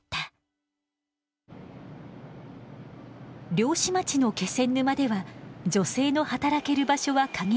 漁師町の気仙沼では女性の働ける場所は限られてきた。